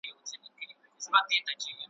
که منلی مي زندان وای ,